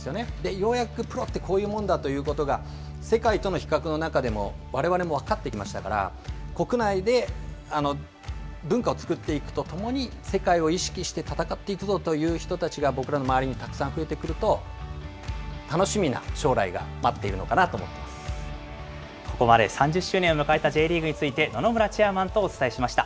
ようやくプロってこういうもんだっていうのが、世界との比較の中でも、われわれも分かってきましたから、国内で文化を作っていくとともに、世界を意識して戦っていくぞという人たちが僕らの周りにたくさん増えてくると、楽しみな将来が待っているのかなと思っここまで３０周年を迎えたＪリーグについて、野々村チェアマンとお伝えしました。